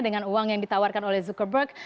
dengan uang yang ditawarkan oleh zuckerberg